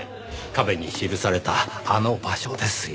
壁に記されたあの場所ですよ。